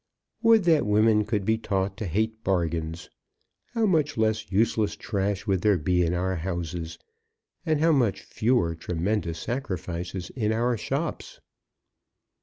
Would that women could be taught to hate bargains! How much less useless trash would there be in our houses, and how much fewer tremendous sacrifices in our shops!